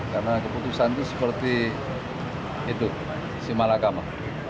karena keputusan itu seperti itu simalakama